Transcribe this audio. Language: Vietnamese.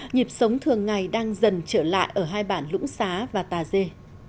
nhịp sống thường ngày đang dần trở lại ở hai bản lũng xá và tà dê